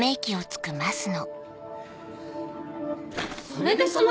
それでそのまま。